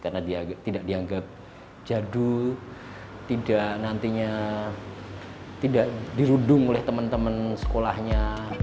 karena tidak dianggap jadul tidak nantinya dirundung oleh teman teman sekolahnya